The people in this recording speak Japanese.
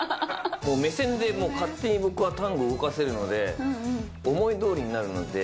目線でもう、勝手に僕はタングを動かせるので、思いどおりになるので。